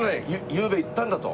ゆうべ行ったんだと。